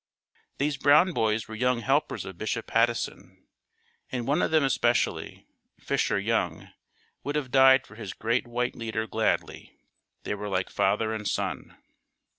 These brown boys were young helpers of Bishop Patteson. And one of them especially, Fisher Young, would have died for his great white leader gladly. They were like father and son.